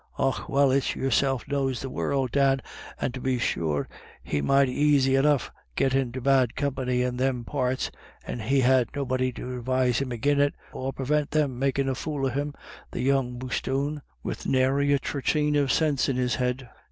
216 IRISH IDYLLS. u Ocb well, it's yourself knows the warld, Dan, and tubbe sure he might aisy enough git into bad company in them parts, and he'd ha' nobody to advise him agin it, or purvint them makin' a fool of him, the young bosthoon, wid nary a thraneen of sinse in his head."